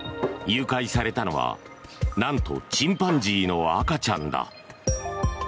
誘拐されたのは、なんとチンパンジーの赤ちゃんだ。